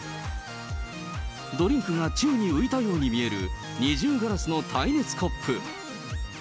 ドリンクが宙に浮いたように見える二重ガラスの耐熱コップ。